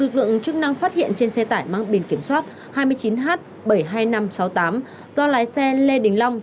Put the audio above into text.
lực lượng chức năng phát hiện trên xe tải mang biển kiểm soát hai mươi chín h bảy mươi hai nghìn năm trăm sáu mươi tám do lái xe lê đình long